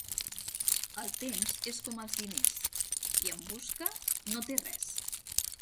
El temps és com els diners: qui en busca no té res.